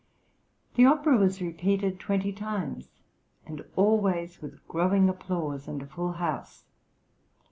The opera was repeated twenty times, and always with growing applause and a full house.